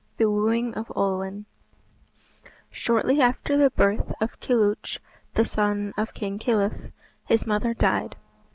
The Wooing of Olwen Shortly after the birth of Kilhuch, the son of King Kilyth, his mother died.